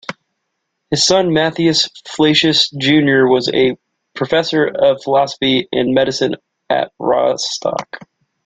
His son Matthias Flacius Junior was professor of philosophy and medicine at Rostock.